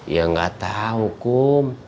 ya nggak tahu kum